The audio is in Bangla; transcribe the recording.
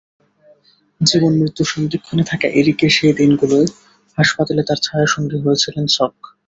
জীবনমৃত্যুর সন্ধিক্ষণে থাকা এরিকের সেই দিনগুলোয় হাসপাতালে তাঁর ছায়াসঙ্গী হয়েছিলেন সক।